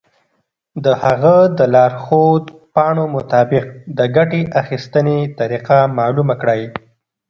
د هغه د لارښود پاڼو مطابق د ګټې اخیستنې طریقه معلومه کړئ.